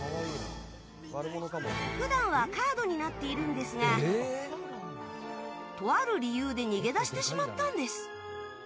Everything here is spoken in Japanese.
普段はカードになっているんですがとある理由で逃げ出してしまったんです。